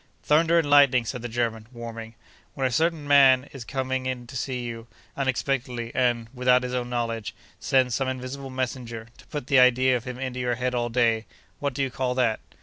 'Thunder and lightning!' said the German, warming, 'when a certain man is coming to see you, unexpectedly; and, without his own knowledge, sends some invisible messenger, to put the idea of him into your head all day, what do you call that?